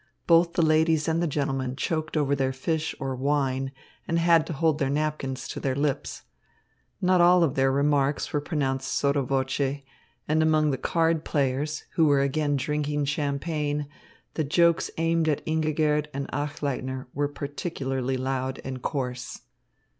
Both the ladies and the gentlemen choked over their fish or wine and had to hold their napkins to their lips. Not all of their remarks were pronounced sotto voce, and among the card players, who were again drinking champagne, the jokes aimed at Ingigerd and Achleitner were particularly loud and coarse.